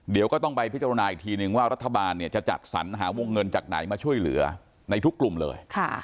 เดี๋ยวก็ต้องไปพิจารณาอีกทีนึงว่ารัฐบาลเนี่ยจะจัดสรรหาวงเงินจากไหนมาช่วยเหลือในทุกกลุ่มเลย